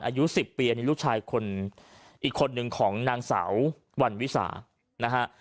อายุ๑๐ปีนี่ลูกชายคนอีกคนนึงของนางสาววันวิสานะฮะ